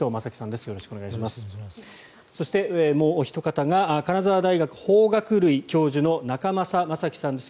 そしてもうおひと方が金沢大学法学類教授仲正昌樹さんです。